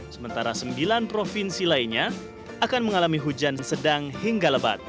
sementara sembilan provinsi lainnya akan mengalami hujan sedang hingga lebat